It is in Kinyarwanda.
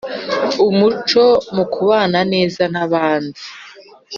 ’umucyo mu kubana neza n‘abandi